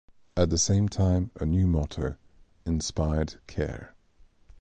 At the same time a new motto: Inspired Care.